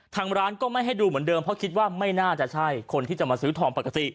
ทางร้านก็ไม่ให้ดูเหมือนเดิมเพราะคิดว่าไม่น่าจะใช่คนที่จะมาซื้อทองปกติ